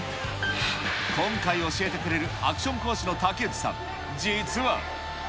今回、教えてくれるアクション講師の竹内さん、実は。